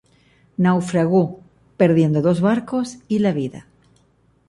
Naufragó, perdiendo dos barcos y la vida.